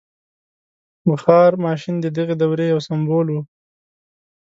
• بخار ماشین د دغې دورې یو سمبول و.